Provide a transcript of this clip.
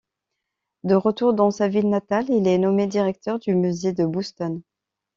De retour dans sa ville natale, il est nommé directeur du musée de Boston.